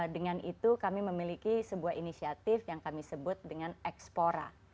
dengan itu kami memiliki sebuah inisiatif yang kami sebut dengan eksplora